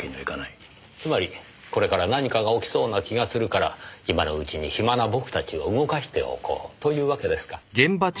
つまりこれから何かが起きそうな気がするから今のうちに暇な僕たちを動かしておこうというわけですか。